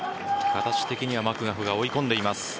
形的にはマクガフが追い込んでいます。